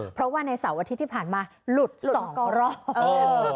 เพราะว่าในเสาร์อาทิตย์ที่ผ่านมาหลุดสองรอบ